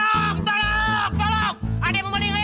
ada yang memelih ayam gue